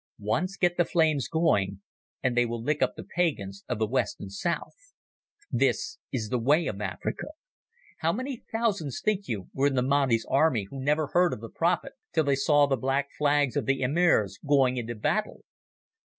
Once get the flames going and they will lick up the pagans of the west and south. This is the way of Africa. How many thousands, think you, were in the Mahdi's army who never heard of the Prophet till they saw the black flags of the Emirs going into battle?"